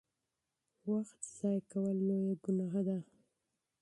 وخت ضایع کول لویه ګناه ده.